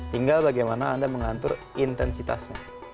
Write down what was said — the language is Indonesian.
tinggal bagaimana anda mengatur intensitasnya